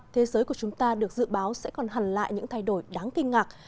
thế giới của chúng ta được dự báo sẽ còn hẳn lại những thay đổi đáng kinh ngạc